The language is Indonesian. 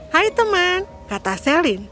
hai teman kata celine